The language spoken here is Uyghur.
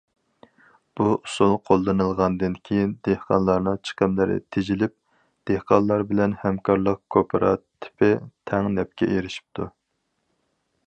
بۇ ئۇسۇل قوللىنىلغاندىن كېيىن دېھقانلارنىڭ چىقىملىرى تېجىلىپ، دېھقانلار بىلەن ھەمكارلىق كوپىراتىپى تەڭ نەپكە ئېرىشىپتۇ.